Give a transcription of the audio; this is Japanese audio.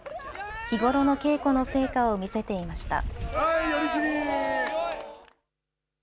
日頃の稽古の成果を見せていました。